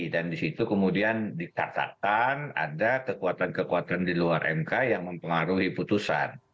dan di situ kemudian ditatakan ada kekuatan kekuatan di luar mk yang mempengaruhi putusan